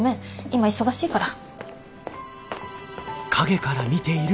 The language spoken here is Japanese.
今忙しいから。